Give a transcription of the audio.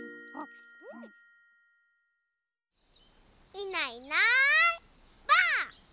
いないいないばあっ！